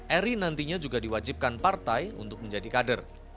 eri nantinya juga diwajibkan partai untuk menjadi kader